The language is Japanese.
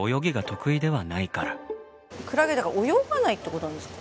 クラゲ泳がないってことなんですか？